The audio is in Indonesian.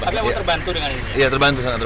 tapi mau terbantu dengan ini ya